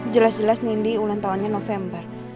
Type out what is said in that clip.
jelas jelas nindi ulang tahunnya november